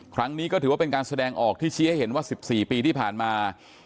ครั้งนี้ก็ถือว่าเป็นการแสดงออกที่ชี้ให้เห็นว่า๑๔ปีที่ผ่านมา